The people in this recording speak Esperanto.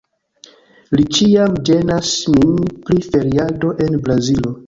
Li ĉiam ĝenas min pri feriado en Brazilo